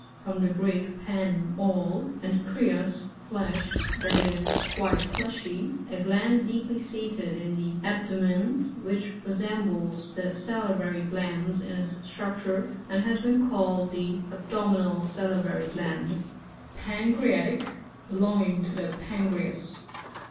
— From the Greek, ;wn, all, and kreaa^ flesh, that is, quite fleshy, A gland deeply seated in the ab domen, which resembles the sali vary glands in its structure^ and has been called the abdominal sa/t* vary gland, Parcreatic. — Belonging to the Pan creas.